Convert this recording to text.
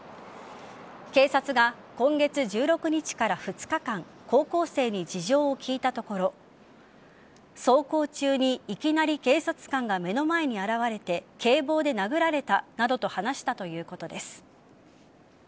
警察が今月１６日から２日間高校生に事情を聴いたところ走行中にいきなり警察官が目の前に現れて警棒で殴られたなどと話したということです。